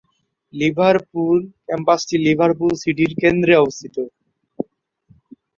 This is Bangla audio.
লিভারপুল ক্যাম্পাসটি লিভারপুল সিটির কেন্দ্রে অবস্থিত।